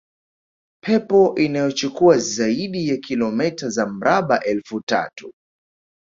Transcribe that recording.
pepo inayochukua zaidi ya kilometa za mraba elfu tatu